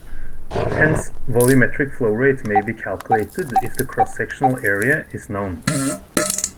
Hence, volumetric flowrate may be calculated if the cross-sectional area is known.